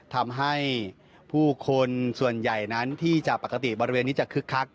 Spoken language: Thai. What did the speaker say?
ทำให้ผู้คนส่วนใหญ่นั้นที่จะปกติบริเวณนี้จะคึกคัก